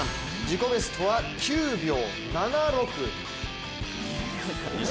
自己ベストは９秒７６。